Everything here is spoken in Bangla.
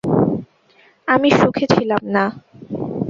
আমি সুখে ছিলাম না।